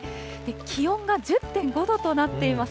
気温が１０．５度となっています。